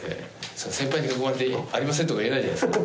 先輩に囲まれて「ありません」とか言えないじゃないですか。